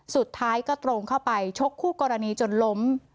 สุดท้ายก็ตรงเข้าไปชกคู่กรณีจนล้ม